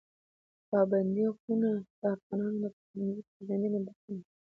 پابندی غرونه د افغانانو د فرهنګي پیژندنې برخه ده.